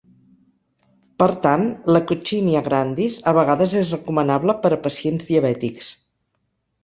Per tant, la Coccinia grandis a vegades és recomanable per a pacients diabètics.